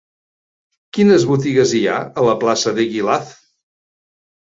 Quines botigues hi ha a la plaça d'Eguilaz?